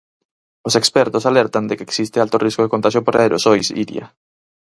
Os expertos alertan de que existe alto risco de contaxio por aerosois, Iria.